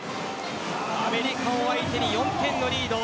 アメリカを相手に４点のリード。